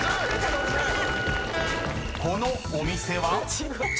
［このお店は？］